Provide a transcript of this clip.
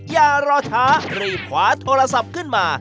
อย่ารอช้ารีบขวาโทรศัพท์ขึ้นมา